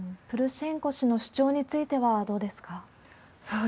プルシェンコ氏の主張についてはどうですか？